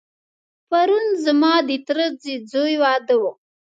پرون ځما دتره دځوی واده و.